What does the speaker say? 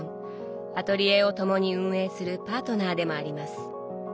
アトリエを共に運営するパートナーでもあります。